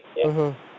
jadi memang beda